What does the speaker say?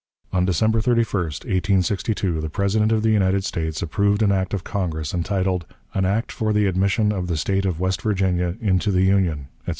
On December 31, 1862, the President of the United States approved an act of Congress entitled "An act for the admission of the State of West Virginia into the Union," etc.